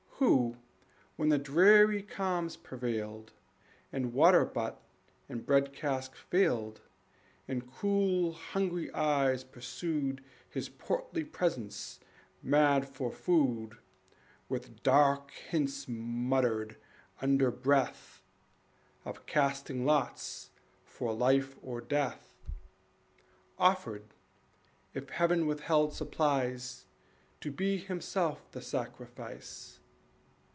Who, when the dreary calms prevailed, And water butt and bread cask failed, And cruel, hungry eyes pursued His portly presence mad for food, With dark hints muttered under breath Of casting lots for life or death, Offered, if Heaven withheld supplies, To be himself the sacrifice.